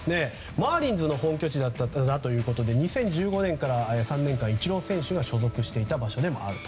マーリンズの本拠地だということで２０１５年から３年間イチロー選手が所属していた場所でもあると。